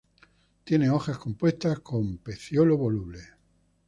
Tiene hojas compuestas con peciolo voluble.